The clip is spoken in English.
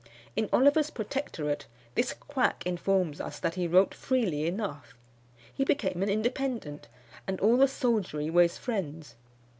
In Oliver's Protectorate, this quack informs us that he wrote freely enough. He became an Independent, and all the soldiery were his friends.